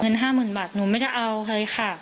๕๐๐๐บาทหนูไม่ได้เอาเลยค่ะ